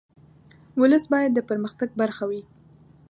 ولس باید د پرمختګ برخه وي.